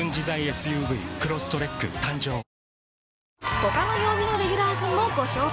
他の曜日のレギュラー陣もご紹介。